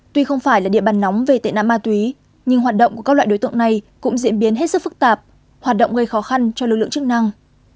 tuy không phải là địa bàn nóng về tệ nạn ma túy nhưng hoạt động của các loại đối tượng này cũng diễn biến hết sức phức tạp hoạt động gây khó khăn cho lực lượng chức năng